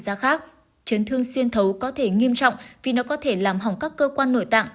da khác chấn thương xuyên thấu có thể nghiêm trọng vì nó có thể làm hỏng các cơ quan nội tạng